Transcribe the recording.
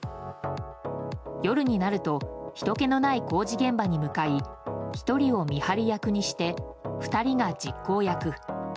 夜になるとひとけのない工事現場に向かい１人の見張り役にして２人が実行役。